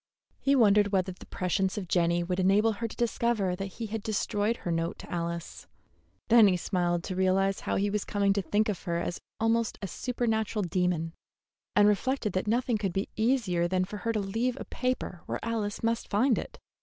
He wondered whether the prescience of Jenny would enable her to discover that he had destroyed her note to Alice; then he smiled to realize how he was coming to think of her as almost a supernatural demon, and reflected that nothing could be easier than for her to leave a paper where Alice must find it.